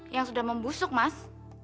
yang sudah membusuk mas